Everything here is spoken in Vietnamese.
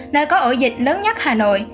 nơi có ổ dịch lớn nhất hà nội